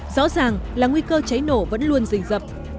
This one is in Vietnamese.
rõ ràng là nguy cơ cháy nổ vẫn luôn rình dập